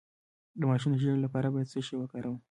د ماشوم د ژیړي لپاره باید څه شی وکاروم؟